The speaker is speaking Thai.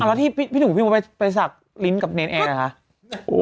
เอาแล้วที่พี่พี่หนูพี่โมไปไปสักลิ้นกับเนสแอร์นะคะโอ้